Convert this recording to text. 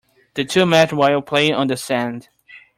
The two met while playing on the sand.